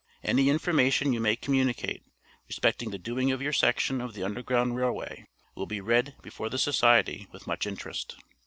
Any information you may communicate, respecting the doing of your section of the Underground Railway will be read before the society with much interest.